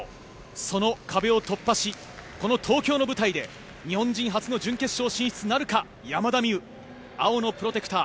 その壁を突破しこの東京の舞台で日本人初の準決勝進出となるか山田美諭、青のプロテクター。